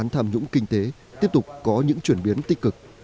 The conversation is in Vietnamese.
tiếp tục có những chuyển biến tích cực